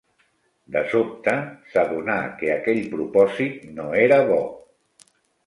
De sobte, s'adonà que aquell propòsit no era bo.